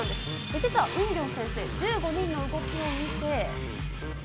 実はウンギョン先生、１５人の動きを見て。